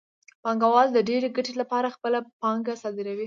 پانګوال د ډېرې ګټې لپاره خپله پانګه صادروي